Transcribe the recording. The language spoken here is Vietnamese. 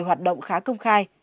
hoạt động khá công khai